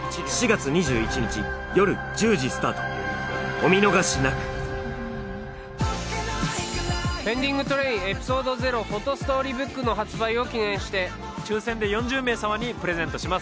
お見逃しなく「ペンディングトレイン−Ｅｐｉｓｏｄｅ．０ＰｈｏｔｏＳｔｏｒｙＢｏｏｋ」の発売を記念して抽選で４０名様にプレゼントします